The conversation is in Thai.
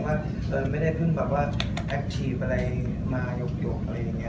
เพราะว่าเราไม่ได้ขึ้นแบบว่าแอคทีฟอะไรมาหยกอะไรอย่างเงี้ย